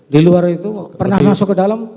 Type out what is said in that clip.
di luar itu pernah masuk ke dalam